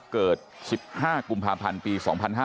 เกิด๑๕กุมภาพันธ์ปี๒๕๕๙